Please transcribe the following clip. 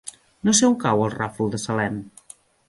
No sé on cau el Ràfol de Salem.